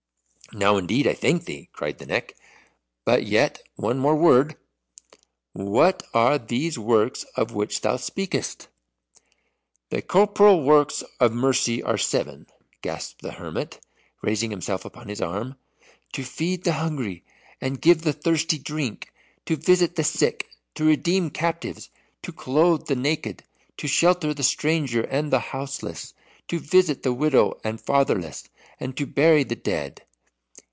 "Now indeed I thank thee!" cried the Neck. "But yet one word more what are these works of which thou speakest?" "The corporal works of mercy are seven," gasped the hermit, raising himself on his arm. "To feed the hungry and give the thirsty drink, to visit the sick, to redeem captives, to clothe the naked, to shelter the stranger and the houseless, to visit the widow and fatherless, and to bury the dead."